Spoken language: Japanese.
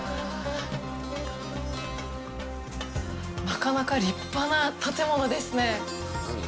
なかなか立派な建物ですね。